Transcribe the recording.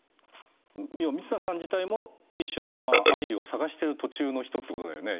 みつなさん自体も一種の愛を探してる途中の人ってことだよね